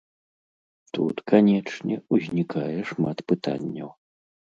Тут, канечне, узнікае шмат пытанняў.